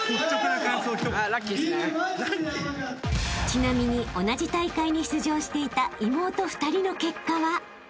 ［ちなみに同じ大会に出場していた妹２人の結果は？］